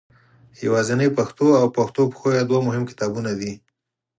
یوازنۍ پښتو او پښتو پښویه دوه مهم کتابونه دي.